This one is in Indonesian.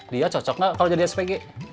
dia cocok gak kalau jadi spg